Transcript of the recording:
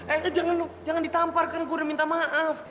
eh jangan jangan ditampar kan gue udah minta maaf